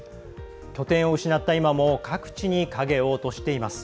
拠点を失った今も各地に影を落としています。